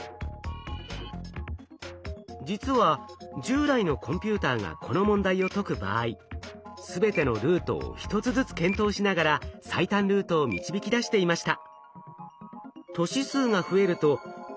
実は従来のコンピューターがこの問題を解く場合全てのルートを一つずつ検討しながら最短ルートを導き出していました。